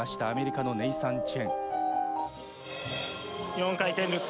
アメリカのネイサン・チェン。